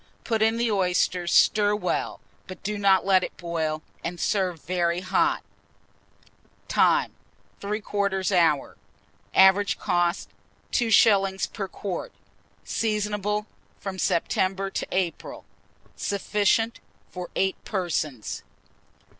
Put in the oysters, stir well, but do not let it boil, and serve very hot. Time. 3/4 hour. Average cost, 2s. per quart. Seasonable from September to April. Sufficient for 8 persons.